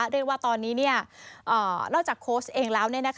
เรียกว่าตอนนี้นอกจากโค้ชเองแล้ว